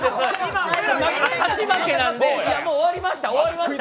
勝ち負けなんでもう終わりました、終わりました。